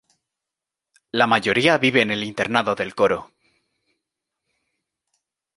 La mayoría vive en el Internado del coro.